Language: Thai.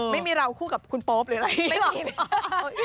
ไม่มีเราคู่กับคุณโป๊ปหรืออะไรไม่มี